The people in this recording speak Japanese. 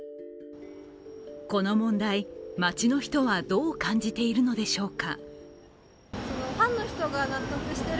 この問題、街の人はどう感じているのでしょうか。